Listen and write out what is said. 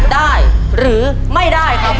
ได้หรือไม่ได้ครับ